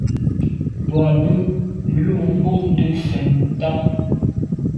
Boa bo lo bumte mfe ntàne.